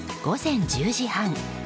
午前１０時半。